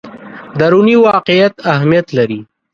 دروني واقعیت اهمیت لري.